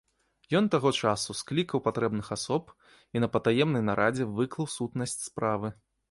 Ён таго часу склікаў патрэбных асоб і на патаемнай нарадзе выклаў сутнасць справы.